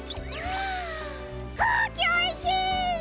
あくうきおいしい！